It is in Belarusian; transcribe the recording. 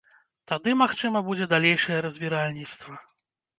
Тады, магчыма, будзе далейшае разбіральніцтва.